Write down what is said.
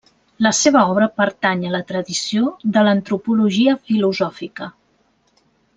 La seva obra pertany a la tradició de l'antropologia filosòfica.